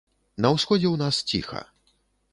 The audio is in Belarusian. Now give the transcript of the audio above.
На ўсходзе ў нас ціха.